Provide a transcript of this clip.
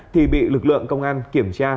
thì bị lực lượng công an kiểm tra